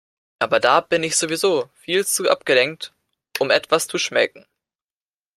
Aber da bin ich sowieso viel zu abgelenkt, um etwas zu schmecken.